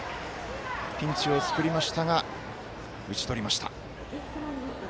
ピンチを作りましたが打ち取りました。